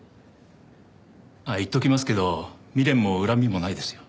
あ言っときますけど未練も恨みもないですよ。